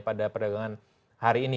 pada perdagangan hari ini